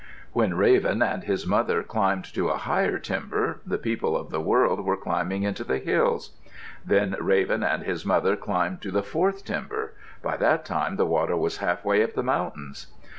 When Raven and his mother climbed to a higher timber, the people of the world were climbing into the hills. Then Raven and his mother climbed to the fourth timber; by that time the water was half way up the mountains.